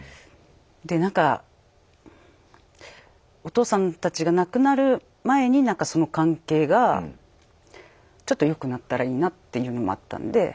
でなんかお父さんたちが亡くなる前になんかその関係がちょっと良くなったらいいなっていうのもあったんで。